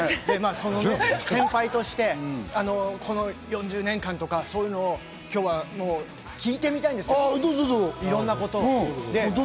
その先輩として、４０年間とかそういうのを今日は聞いてみたいんですよ、こんなことを。